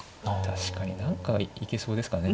確かに何かいけそうですかね